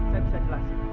saya bisa jelasin